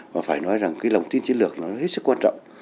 và phải nói rằng cái lòng tin chiến lược nó hết sức quan trọng